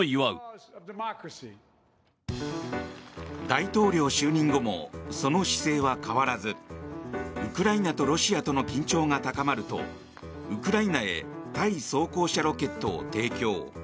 大統領就任後もその姿勢は変わらずウクライナとロシアとの緊張が高まるとウクライナへ対装甲車ロケットを提供。